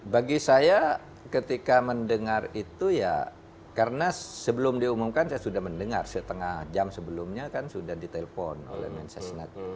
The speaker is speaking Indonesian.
bagi saya ketika mendengar itu ya karena sebelum diumumkan saya sudah mendengar setengah jam sebelumnya kan sudah ditelepon oleh mensesnet